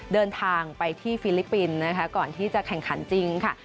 เดินทางไปที่ฟิลิปปินส์นะคะก่อนที่จะแข่งขันจริงค่ะ